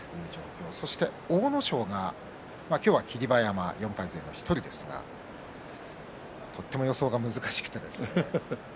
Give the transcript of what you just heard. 阿武咲が今日は霧馬山４敗勢の１人ですがとても予想が難しくてですね。